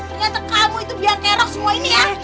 ternyata kamu itu biar kerok semua ini ya